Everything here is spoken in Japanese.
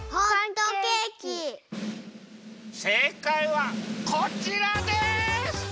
せいかいはこちらです！